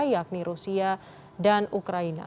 yakni rusia dan ukraina